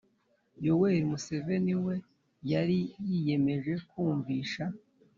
yoweri museveni we yari yiyemeje kumvisha